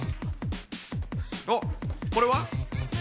おっこれは？